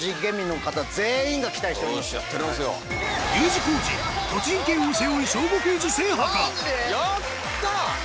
Ｕ字工事栃木県を背負い『小５クイズ』制覇か⁉やった。